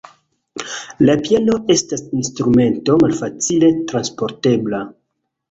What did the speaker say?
La piano estas instrumento malfacile transportebla.